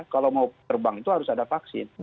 kalau mau terbang itu harus ada vaksin